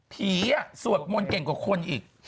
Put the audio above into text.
สวดมนต์เก่งกว่าคนอีก